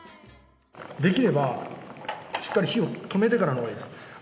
できればしっかり火を止めてからのほうがいいです。